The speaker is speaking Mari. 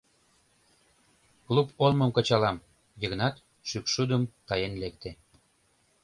Клуб олмым кычалам, — Йыгнат шӱкшудым таен лекте.